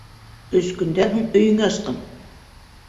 Өс көндән һуң өйөңә ысҡын.